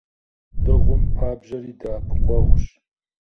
Дыгъум пабжьэр и дэӀэпыкъуэгъущ.